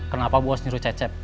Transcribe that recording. kenapa bos nyuruh cecep